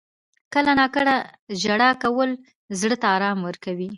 • کله ناکله ژړا کول زړه ته آرام ورکوي.